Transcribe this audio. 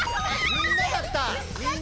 みんなだった！